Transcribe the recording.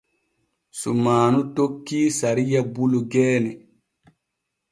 Sumaanu tokkii sariya bulu geene.